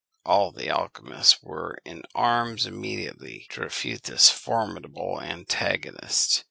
All the alchymists were in arms immediately, to refute this formidable antagonist.